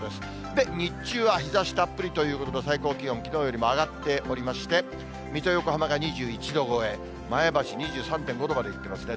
で、日中は日ざしたっぷりということで、最高気温、きのうよりも上がっておりまして、水戸、横浜が２１度超え、前橋２３．５度までいってますね。